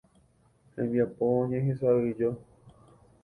Hembiapo Ñehesa'ỹijo.